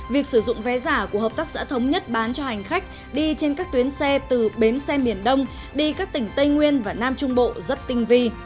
việc sử dụng vé giả của hợp tác xã thống nhất bán cho hành khách đi trên các tuyến xe từ bến xe miền đông đi các tỉnh tây nguyên và nam trung bộ rất tinh vi